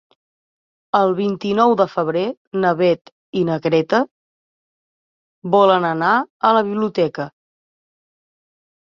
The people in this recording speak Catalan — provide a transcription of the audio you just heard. El vint-i-nou de febrer na Beth i na Greta volen anar a la biblioteca.